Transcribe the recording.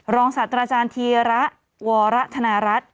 รองศัตราอาจารย์ธีระวรธนรัฐ